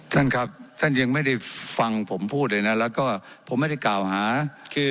ท่านครับท่านยังไม่ได้ฟังผมพูดเลยนะแล้วก็ผมไม่ได้กล่าวหาคือ